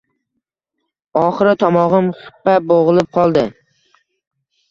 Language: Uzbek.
Oxiri tomog‘im xippa bo‘g‘ilib qoldi.